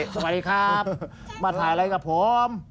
สวัสดีครับมาถ่ายอะไรกับผม